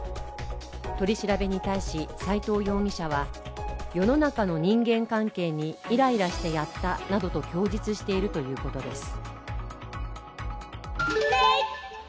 取り調べに対し斉藤容疑者は世の中の人間関係にイライラしてやったなどと供述しているということです。